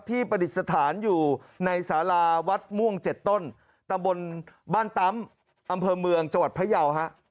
ที่ประดิษฐานอยู่ในสาราวัดม่วง๗ต้นบ้านตำอำเภอเมืองจวัดพระเยาะฮะ